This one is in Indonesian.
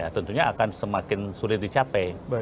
tentunya akan semakin sulit dicapai